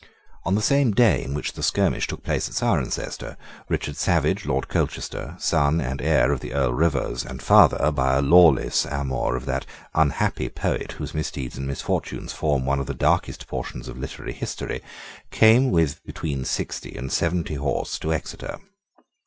On the day on which the skirmish took place at Cirencester, Richard Savage, Lord Colchester, son and heir of the Earl Rivers, and father, by a lawless amour, of that unhappy poet whose misdeeds and misfortunes form one of the darkest portions of literary history, came with between sixty and seventy horse to Exeter.